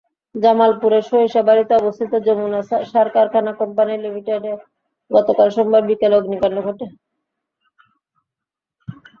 জামালপুরের সরিষাবাড়ীতে অবস্থিত যমুনা সার কারখানা কোস্পানি লিমিটেডে গতকাল সোমবার বিকেলে অগ্নিকাণ্ড ঘটে।